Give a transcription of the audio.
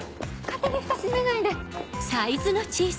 勝手にフタ閉めないで！